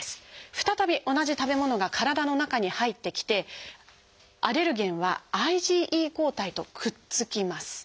再び同じ食べ物が体の中に入ってきてアレルゲンはＩｇＥ抗体とくっつきます。